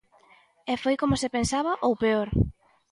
E foi como se pensaba ou peor.